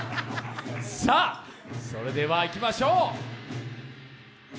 それではいきましょう